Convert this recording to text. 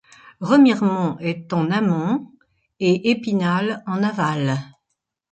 Remiremont est à en amont et Épinal en aval.